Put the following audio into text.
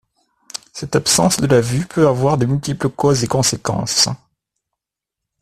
Cette absence de la vue peut avoir de multiples causes et conséquences.